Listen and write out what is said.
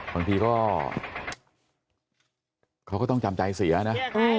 บางทีก็เขาก็ต้องจำใจเสียนะ